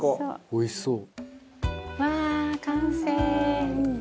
おいしそう。